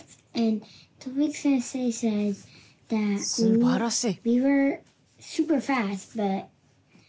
すばらしい。